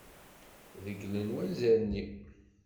Reglen wanzaren-iw.